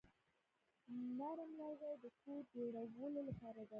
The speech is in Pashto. نرم لرګي د کور جوړولو لپاره دي.